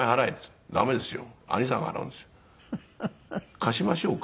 「貸しましょうか？」